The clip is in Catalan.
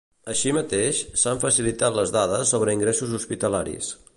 Així mateix, s'han facilitat les dades sobre ingressos hospitalaris.